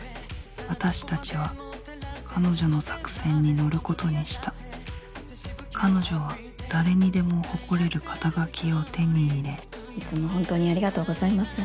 私たちは彼女の作戦に乗ることにした彼女は誰にでも誇れる肩書を手に入れいつも本当にありがとうございます。